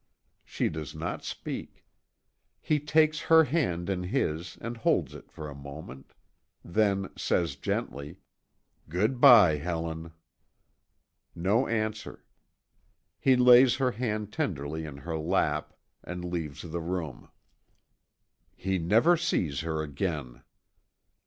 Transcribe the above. She does not speak. He takes her hand in his and holds it for a moment; then says gently: "Good bye, Helen." No answer. He lays her hand tenderly in her lap, and leaves the room. He never sees her again.